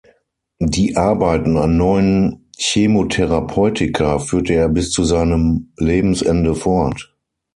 Die Arbeiten an neuen Chemotherapeutika führte er bis zu seinem Lebensende fort.